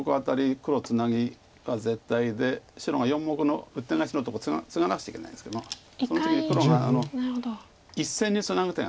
黒ツナギは絶対で白が４目のウッテガエシのところツガなくちゃいけないんですけどもその時に黒が１線にツナぐ手が。